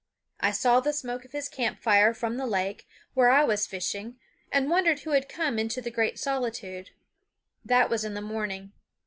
I saw the smoke of his camp fire from the lake, where I was fishing, and wondered who had come into the great solitude. That was in the morning.